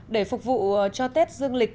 để phục vụ cho tết dương lịch